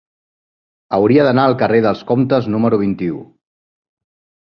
Hauria d'anar al carrer dels Comtes número vint-i-u.